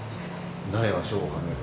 大は小を兼ねる。